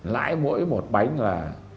lãi mỗi một bánh là